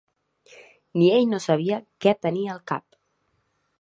Ni ell no sabia què tenia al cap!